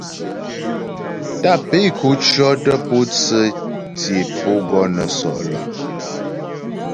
Tàp é ko cyɔtə pǒtsə tsyé pǒ gɔ nə́ sɔ' lə́.